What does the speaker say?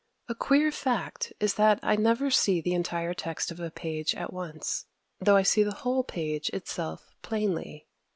A queer fact is that I never see the entire text of a page at once, though I see the whole page itself plainly.